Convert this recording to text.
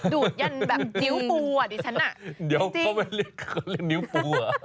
ดูดยันแบบนิ้วปูอ่ะดิฉันอ่ะเดี๋ยวเขาไม่เรียกเขาเรียกนิ้วฟูอ่ะ